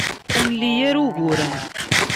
Ur nli ara uguren.